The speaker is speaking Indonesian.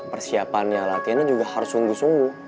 persiapannya latihannya juga harus sungguh sungguh